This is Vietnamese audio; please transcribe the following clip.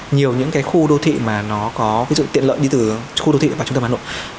nhiều những cái khu đô thị mà nó có ví dụ tiện lợi đi từ khu đô thị vào trung tâm hà nội